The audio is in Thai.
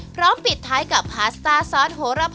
พร้อมปิดท้ายกับพาสต้าซอสโหระพ